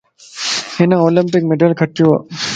ھن اولمپڪ مڊل کٽيو وَ